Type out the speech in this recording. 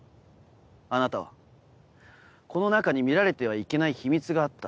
あなたはこの中に見られてはいけない秘密があった。